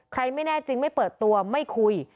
ไม่แน่จริงไม่เปิดตัวไม่คุย